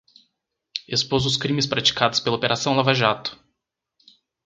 Expôs os crimes praticados pela operação Lava Jato